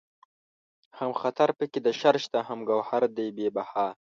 هم خطر پکې د شر شته هم گوهر دئ بې بها